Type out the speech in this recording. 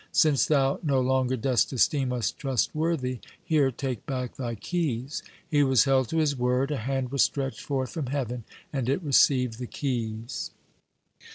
Since Thou no longer dost esteem us trustworthy, here, take back Thy keys." He was held to his word: a hand was stretched forth from heaven, and it received the keys.